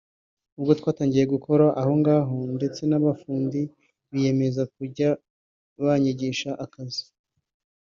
ubwo twatangiye gukora aho ngaho ndetse n’abafundi biyemeza kujya banyigisha akazi